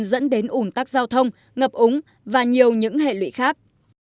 dẫn đến ủn tắc giao thông ngập úng và nhiều những hệ lụy khác